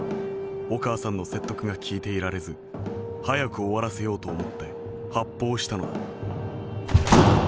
お母さんの説得が聞いていられず早く終わらせようと思って発砲したのだ」。